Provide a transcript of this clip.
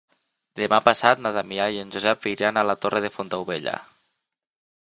Demà passat na Damià i en Josep iran a la Torre de Fontaubella.